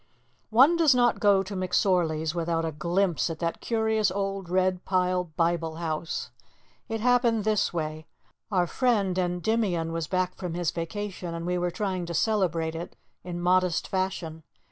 One does not go to McSorley's without a glimpse at that curious old red pile Bible House. It happened this way: Our friend Endymion was back from his vacation and we were trying to celebrate it in modest fashion.